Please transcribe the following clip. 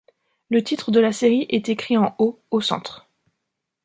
Le titre de la série est écrit en haut, au centre.